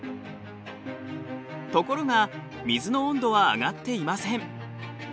ところが水の温度は上がっていません。